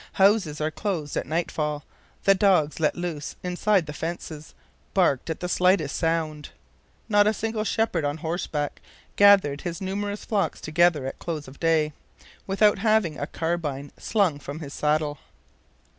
Houses are closed at nightfall; the dogs let loose inside the fences, barked at the slightest sound. Not a single shepherd on horseback gathered his numerous flocks together at close of day, without having a carbine slung from his saddle.